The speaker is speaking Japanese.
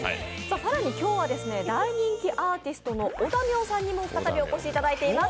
更に今日は大人気アーティストのおだみょんさんにも再びお越しいただいています。